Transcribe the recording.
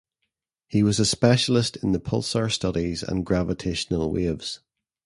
He was a specialist in the pulsar studies and gravitational waves.